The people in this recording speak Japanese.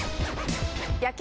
野球。